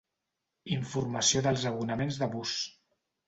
Informació dels abonaments de bus.